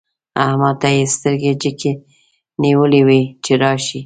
احمد ته يې سترګې جګې نيولې وې چې راشي.